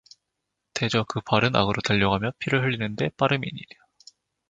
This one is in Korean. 대저 그 발은 악으로 달려가며 피를 흘리는 데 빠름이니라